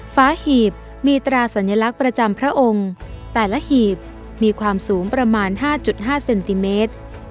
ฟ้าหีบมีตราสัญลักษณ์ประจำพระองค์แต่ละหีบมีความสูงประมาณ๕๕เซนติเมตร